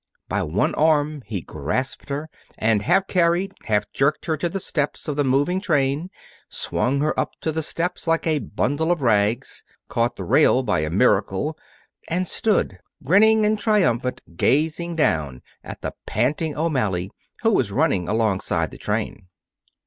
By one arm he grasped her, and half carried, half jerked her to the steps of the moving train, swung her up to the steps like a bundle of rags, caught the rail by a miracle, and stood, grinning and triumphant, gazing down at the panting O'Malley, who was running alongside the train.